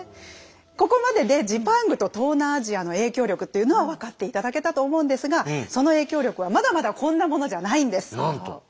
ここまででジパングと東南アジアの影響力っていうのは分かって頂けたと思うんですがその影響力はまだまだこんなものじゃないんです。